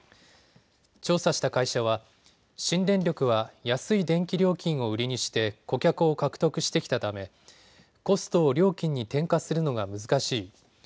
調査した会社は新電力は安い電気料金を売りにして顧客を獲得してきたためコストを料金に転嫁するのが難しい。